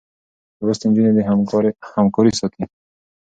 لوستې نجونې همکاري ساتي.